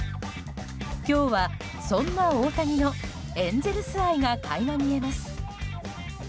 今日は、そんな大谷のエンゼルス愛が垣間見えます。